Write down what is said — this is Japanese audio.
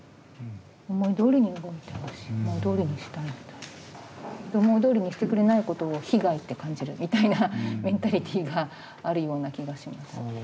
思いどおりに動いてほしい思いどおりにしたい思いどおりにしてくれないことを被害って感じるみたいなメンタリティーがあるような気がします。